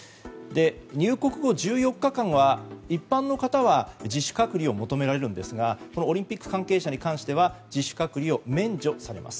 入国後１４日間は、一般の方は自主隔離を求められますがこのオリンピック関係者に関しては自主隔離を免除されます。